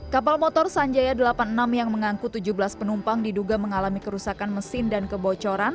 kapal motor sanjaya delapan puluh enam yang mengangkut tujuh belas penumpang diduga mengalami kerusakan mesin dan kebocoran